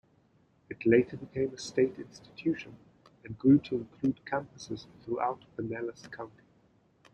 It later became a state institution, and grew to include campuses throughout Pinellas County.